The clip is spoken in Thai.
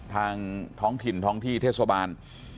ท้องถิ่นท้องที่เทศบาล